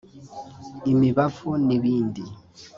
imibavu n’ibindi